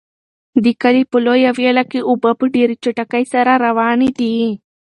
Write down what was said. د کلي په لویه ویاله کې اوبه په ډېرې چټکۍ سره روانې دي.